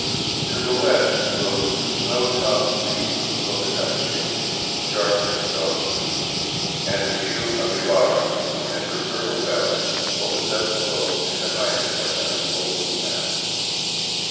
To the west rose the snow topped peak of Cotacache, sharp as a dog's tooth, and the view of Ibarra and her fertile valley opened up below and behind us like an unfolding map.